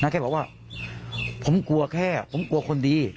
แค่บอกว่าผมกลัวแค่ผมกลัวคนดี